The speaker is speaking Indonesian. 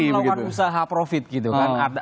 silakan melawan usaha profit gitu kan